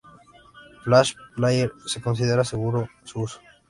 Flash Player se considera seguro su uso.